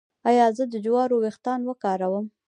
ایا زه د جوارو ويښتان وکاروم؟